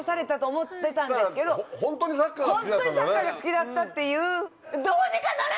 ホントにサッカーが好きだったっていう。